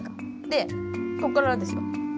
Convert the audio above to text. でこっからですよ。